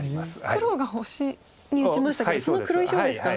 黒が星に打ちましたけどその黒石をですか？